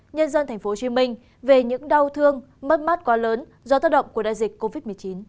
nhân dân thành phố hồ chí minh về những đau thương mất mắt quá lớn do tác động của đại dịch covid một mươi chín